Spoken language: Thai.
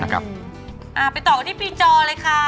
ไปต่อกันที่ปีจอเลยค่ะ